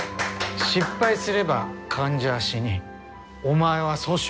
失敗すれば患者は死にお前は訴訟を起こされる。